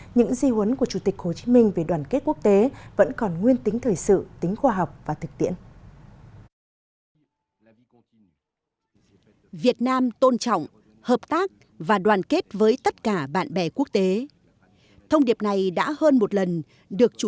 những di huấn của chủ tịch hồ chí minh về đoàn kết quốc tế vẫn còn nguyên tính thời sự